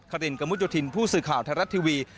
ครินกมุจถินผู้สื่อข่าวธรรทรัฐทีวี